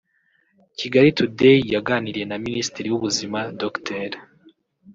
Kigali Today yaganiriye na Minisitiri w’Ubuzima Dr